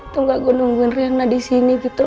tunggu gue nungguin rina di sini gitu